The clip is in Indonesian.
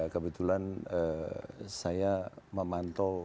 kebetulan saya memantau